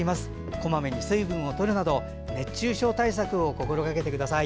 こまめに水分をとるなど熱中症対策を心がけてください。